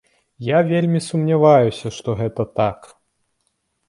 Я вельмі сумняваюся, што гэта так.